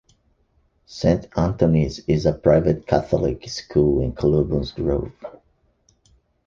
Saint Anthony's is a private Catholic school in Columbus Grove.